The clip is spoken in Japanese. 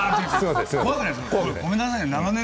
ごめんなさいね。